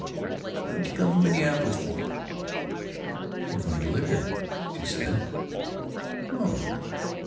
What did you come from Minneapolis for?" "We're going to live here," she said. "Oh."